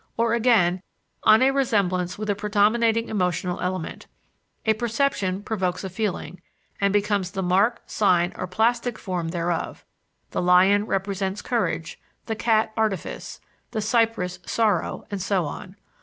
or again, on a resemblance with a predominating emotional element: A perception provokes a feeling, and becomes the mark, sign, or plastic form thereof (the lion represents courage; the cat, artifice; the cypress, sorrow; and so on).